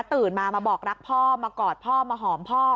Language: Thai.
ตื่นมามาบอกรักพ่อมากอดพ่อมาหอมพ่อ